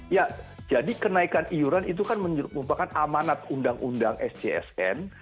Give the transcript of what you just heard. ya jadi kenaikan iuran itu kan merupakan amanat undang undang sjsn